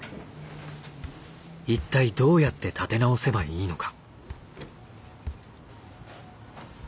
一体どうやって立て直せばいいのか。